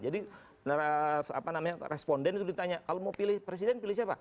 jadi responden itu ditanya kalau mau pilih presiden pilih siapa